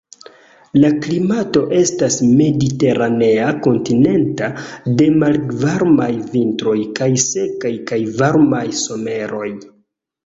La klimato estas mediteranea kontinenta de malvarmaj vintroj kaj sekaj kaj varmaj someroj.